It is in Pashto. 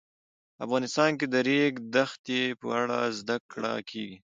افغانستان کې د د ریګ دښتې په اړه زده کړه کېږي.